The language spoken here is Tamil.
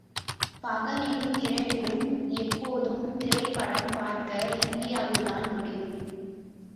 பகலிலும் இரவிலும் எப்போதும் திரைப்படம் பார்க்க இந்தியாவில் தான் முடியும்!